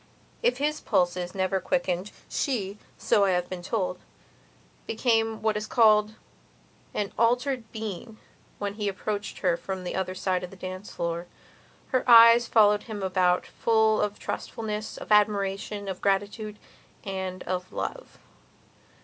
If his pulses never quickened she, so I have been told, became what is called an altered being when he approached her from the other side of a dancing floor. Her eyes followed him about full of trustfulness, of admiration, of gratitude, and of love.